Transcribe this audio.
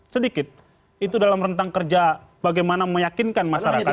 sedikit itu dalam rentang kerja bagaimana meyakinkan masyarakat